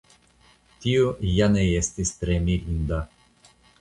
Tio ja ne estis tre mirinda.